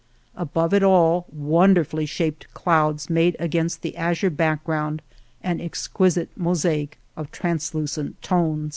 Above it all wonderfully shaped clouds made against the azure back ground an exquisite mosaic of translucent tones.